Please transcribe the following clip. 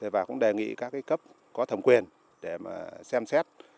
và cũng đề nghị các cấp có thẩm quyền để mà xem xét